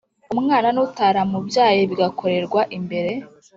Umwana n utaramubyaye bigakorerwa imbere